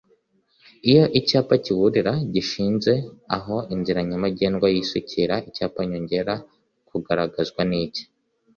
iyo Icyapa kiburira gishinze aho inzira nyabagendwa y’isukira Icyapa nyongera kugaragazwa n’iki